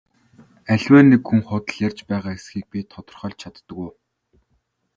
Аливаа нэг хүн худал ярьж байгаа эсэхийг би тодорхойлж чаддаг уу?